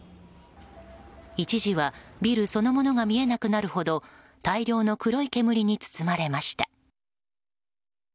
一時はビルそのものが見えなくなるほど大量の黒い煙に包まれました。